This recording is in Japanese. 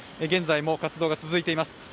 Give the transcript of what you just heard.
現在も活動が続いています。